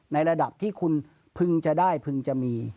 ในระดับที่คุณพึงจะได้พึงจะมี